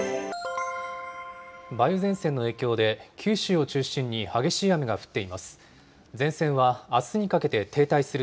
梅雨前線の影響で、九州を中心に激しい雨が降っています。